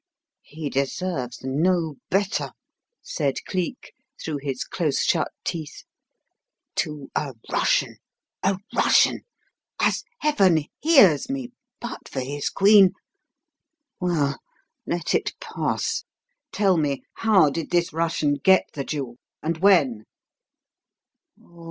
"He deserves no better!" said Cleek, through his close shut teeth. "To a Russian a Russian! As heaven hears me, but for his queen Well, let it pass. Tell me, how did this Russian get the jewel, and when?"